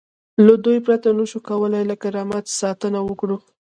له دوی پرته نشو کولای له کرامت ساتنه وکړو.